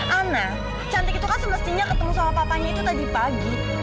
ana cantik itu kan semestinya ketemu sama papanya itu tadi pagi